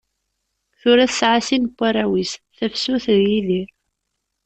Tura tesɛa sin n warraw-is, Tafsut d Yidir.